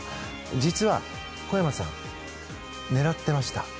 実は、小山さん狙っていました。